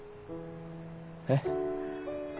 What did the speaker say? えっ？